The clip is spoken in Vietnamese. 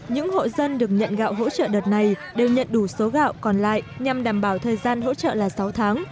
những hộ dân được nhận gạo hỗ trợ đợt này đều nhận đủ số gạo còn lại nhằm đảm bảo thời gian hỗ trợ là sáu tháng